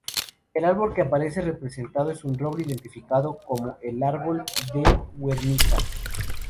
El árbol que aparece representado es un roble, identificado como el Árbol de Guernica.